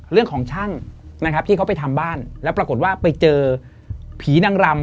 เรื่องของช่างนะครับที่เขาไปทำบ้านแล้วปรากฏว่าไปเจอผีนางรำ